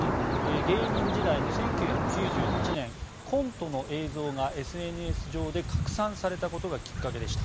芸人時代の１９９８年コントの映像がＳＮＳ上で拡散されたことがきっかけでした。